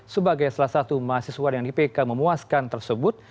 sebagai salah satu mahasiswa dengan ipk memuaskan tersebut